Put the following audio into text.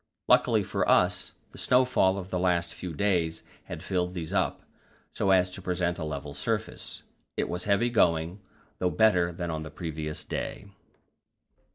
Luckily for us, the snowfall of the last few days had filled these up, so as to present a level surface. It was heavy going, though better than on the previous day.